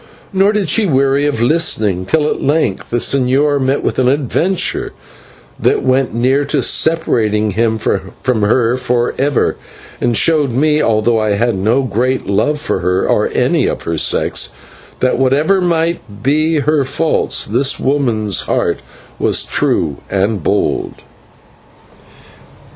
Nor did she weary of listening, till at length the señor met with an adventure that went near to separating him from her for ever, and showed me, although I had no great love for her or any of her sex, that, whatever might be her faults, this woman's heart was true and bold.